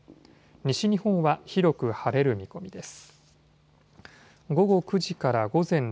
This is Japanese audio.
西日本は広く晴れる見込みです。